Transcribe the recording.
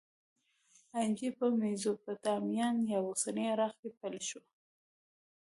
انجنیری په میزوپتامیا یا اوسني عراق کې پیل شوه.